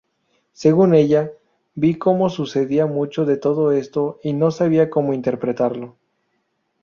Según ella: "Vi cómo sucedía mucho de todo esto y no sabía cómo interpretarlo.